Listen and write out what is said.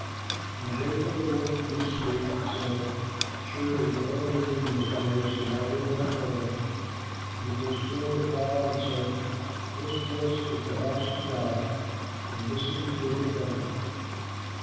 When Jacob awoke from his sleep, he said, "Surely Jehovah is in this place, and I did not know it." And he was filled with awe and said, "This place is the house of God, and this is the gate of heaven."